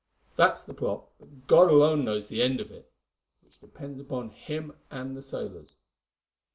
That is the plot, but God alone knows the end of it! which depends upon Him and the sailors.